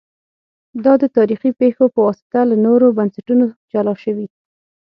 دا د تاریخي پېښو په واسطه له نورو بنسټونو جلا شوي